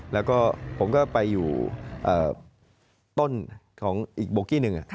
แล้วก็ผมก็ไปอยู่ต้นของอีกโบกี้หนึ่ง